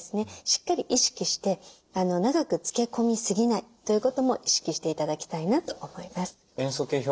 しっかり意識して長くつけ込みすぎないということも意識して頂きたいなと思います。